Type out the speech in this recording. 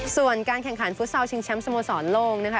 ส่วนการแข่งขันฟุตซอลชิงแชมป์สโมสรโลกนะคะ